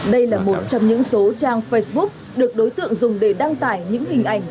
đây là một trong những số trang facebook được đối tượng dùng để đăng tải những hình ảnh